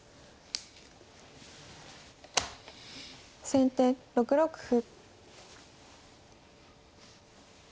先手６六歩。